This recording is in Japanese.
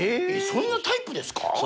そんなタイプですか？